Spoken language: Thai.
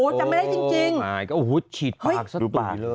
จำไม่ได้จริง